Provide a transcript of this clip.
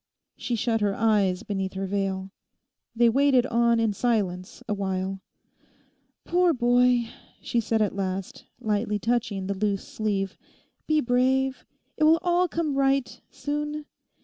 She shut her eyes beneath her veil. They waited on in silence a while. 'Poor boy!' she said at last, lightly touching the loose sleeve; 'be brave; it will all come right, soon.